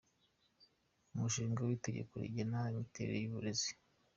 Umushinga w’Itegeko rigena Imiterere y’Uburezi ;